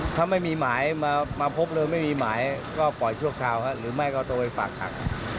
ถ้าไม่มีหมายมาพบเลยไม่มีหมายก็ปล่อยชั่วคราวหรือไม่ก็ต้องไปฝากขัง